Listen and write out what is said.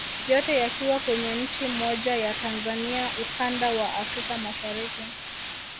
Yote yakiwa kwenye nchi moja ya Tanzania ukanda wa Afrika Mashariki